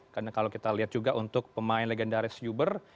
karena kalau kita lihat juga untuk pemain legendaris uber